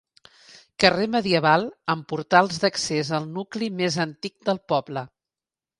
Carrer medieval amb portals d'accés al nucli més antic del poble.